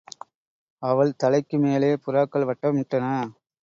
அவள் தலைக்கு மேலே புறாக்கள் வட்டமிட்டன.